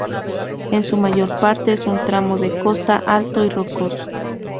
En su mayor parte es un tramo de costa alto y rocoso.